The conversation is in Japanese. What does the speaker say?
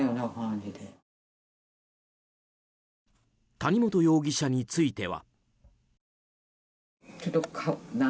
谷本容疑者については。